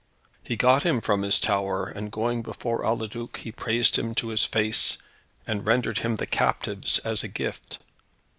He got him from his tower, and going before Eliduc, he praised him to his face, and rendered him the captives as a gift.